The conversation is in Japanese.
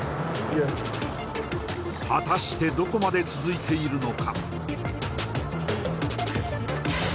あっ果たしてどこまで続いているのか？